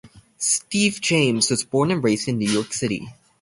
Steve James was born and raised in New York City.